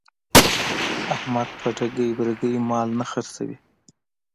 احمد په ټګۍ برگۍ مال نه خرڅوي.